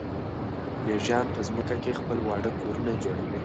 مېږیان په ځمکه کې خپل واړه کورونه جوړوي.